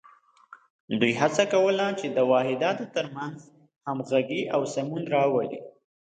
دوی هڅه کوله چې د واحداتو تر منځ همغږي او سمون راولي.